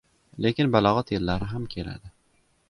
Lekin balogʻat yillari ham keladi.